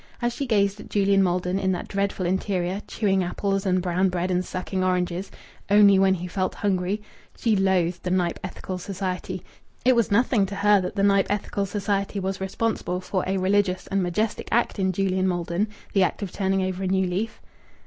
As she gazed at Julian Maldon in that dreadful interior, chewing apples and brown bread and sucking oranges, only when he felt hungry, she loathed the Knype Ethical Society. It was nothing to her that the Knype Ethical Society was responsible for a religious and majestic act in Julian Maldon the act of turning over a new leaf.